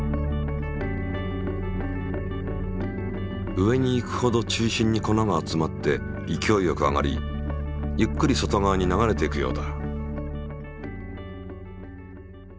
上にいくほど中心に粉が集まって勢いよく上がりゆっくり外側に流れていくようだ。